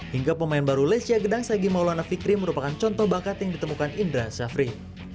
hingga pemain baru lesia gedang saigi maulana fikri merupakan contoh bakat yang ditemukan indra syafri